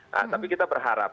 nah tapi kita berharap